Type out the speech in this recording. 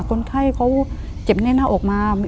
คนไข้เขาเจ็บแน่นหน้าอกมา